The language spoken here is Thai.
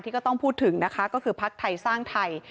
ก็ต้องพูดถึงนะคะก็คือพักไทยสร้างไทย